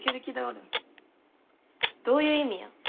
どういう意味や？